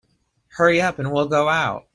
Hurry up and we'll go out.